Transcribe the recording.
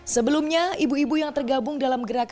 sebelumnya ibu ibu yang tergabung dalam gerakan